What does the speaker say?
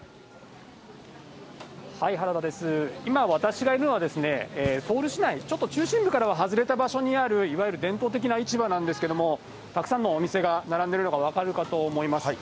今、私がいるのはですね、ソウル市内、ちょっと中心部からは外れた場所にある、いわゆる伝統的な市場なんですけれども、たくさんのお店が並んでいるのが分かるかと思います。